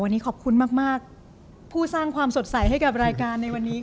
วันนี้ขอบคุณมากผู้สร้างความสดใสให้กับรายการในวันนี้